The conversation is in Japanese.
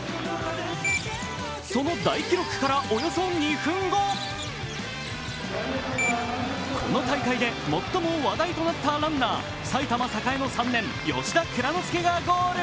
その大記録からおよそ２分後、この大会で最も話題となったランナー、埼玉栄の３年、吉田蔵之介がゴール。